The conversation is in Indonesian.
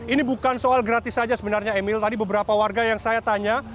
ini bukan soal gratis saja sebenarnya emil tadi beberapa warga yang saya tanya